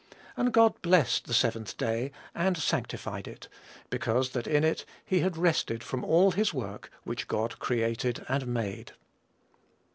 And God blessed the seventh day, and sanctified it; because that in it he had rested from all his work which God created and made."